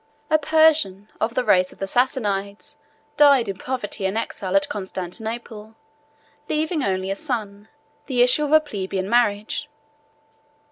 A Persian of the race of the Sassanides died in poverty and exile at Constantinople, leaving an only son, the issue of a plebeian marriage.